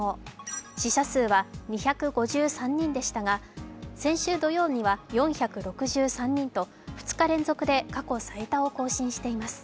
死者数は２５３人でしたが先週土曜日には４６３人と２日連続で過去最多を更新しています。